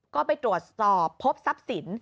ก็ไปตรวจสอบพบทรัพย์สิน